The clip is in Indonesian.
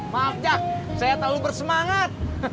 maaf ya saya terlalu bersemangat